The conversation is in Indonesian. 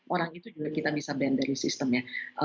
orang itu juga kita bisa ban dari sistemnya